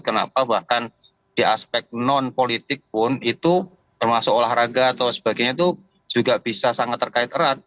kenapa bahkan di aspek non politik pun itu termasuk olahraga atau sebagainya itu juga bisa sangat terkait erat